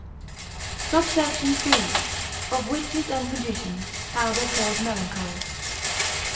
SUBSECT. III.—Of Witches and Magicians, how they cause Melancholy.